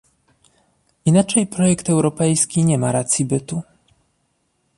Inaczej projekt europejski nie ma racji bytu